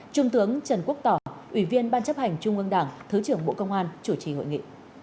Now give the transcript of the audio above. trung tướng trần quốc tỏ ủy viên ban chấp hành trung ương đảng thứ trưởng bộ công an chủ trì hội nghị